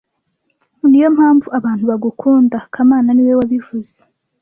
Niyo mpamvu abantu bagukunda kamana niwe wabivuze